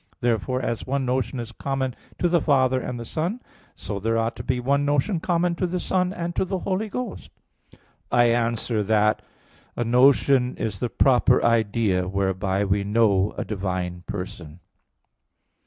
Therefore, as one notion is common to the Father and the Son, so there ought to be one notion common to the Son and to the Holy Ghost. I answer that, A notion is the proper idea whereby we know a divine Person.